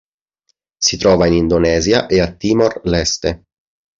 Si trova in Indonesia e a Timor-Leste.